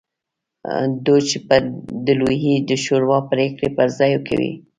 دوج به د لویې شورا پرېکړې پر ځای کوي